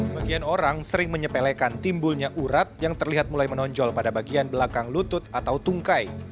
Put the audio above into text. bagian orang sering menyepelekan timbulnya urat yang terlihat mulai menonjol pada bagian belakang lutut atau tungkai